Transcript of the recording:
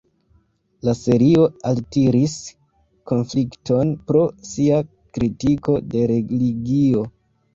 La serio altiris konflikton pro sia kritiko de religio.